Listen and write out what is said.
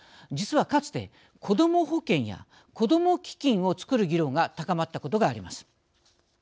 実は、かつてこども保険やこども基金を作る議論が高まったことがあります。